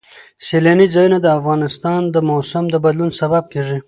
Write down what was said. سیلاني ځایونه د افغانستان د موسم د بدلون سبب کېږي.